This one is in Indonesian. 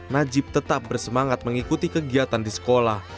najib tetap bersemangat mengikuti kegiatan di sekolah